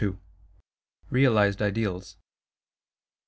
II. Realised Ideals.